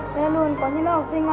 chúc mừng ngày nhà giáo việt nam